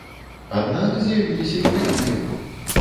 Аднак з'явіліся і такія.